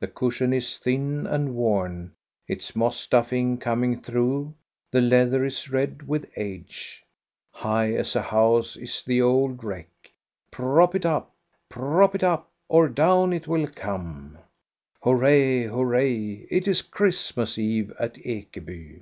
The cushion is thin and worn, its moss stuffing coming through, the leather is red with age. High as a house is the old wreck. Prop it up, prop it up, or down it will come! Hurrah ! Hurrah ! It is Christmas eve at Ekeby.